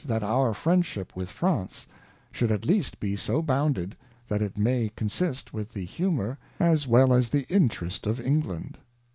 that our Friendship with Prance should at least be so bounded, that it may consist with the humour as well as the Interest of England.